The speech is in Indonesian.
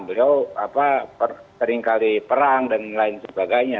beliau apa sering kali perang dan lain sebagainya